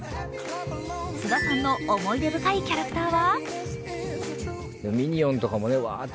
菅田さんの思い出深いキャラクターは？